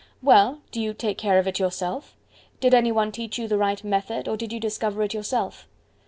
"Well, do you take care of it yourself? Did any one teach you the right method, or did you discover it yourself?"